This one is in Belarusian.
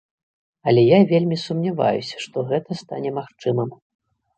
Але я вельмі сумняваюся, што гэта стане магчымым.